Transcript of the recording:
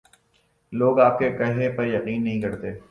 لو گ آپ کے کہے پہ یقین نہیں کرتے۔